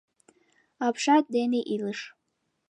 — Апшат дене илыш.